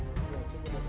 andre kirwel jayapura papua